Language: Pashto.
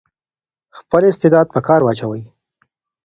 خپل استعداد په کار واچوئ.